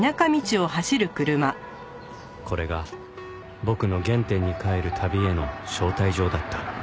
これが僕の原点に返る旅への招待状だった